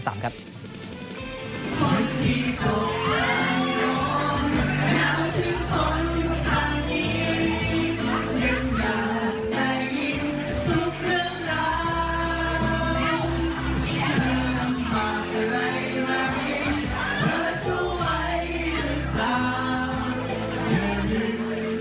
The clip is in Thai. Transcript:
จากประธานสโมงศรอย่างมดรแป้งคุณดนทันร่ำ๓ครับ